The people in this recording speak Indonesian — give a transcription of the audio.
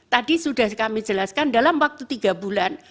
tadi sudah kami jelaskan dalam waktu tiga bulan